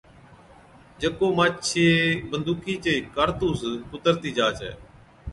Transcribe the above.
جڪو مانڇي بندُوقِي چي ڪارتُوس ڪُترتِي جا ڇَي۔